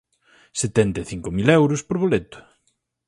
Setenta e cinco mil euros por boleto.